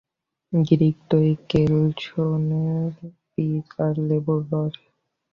Greek দই, kale, শণের বীজ আর লেবুর রস।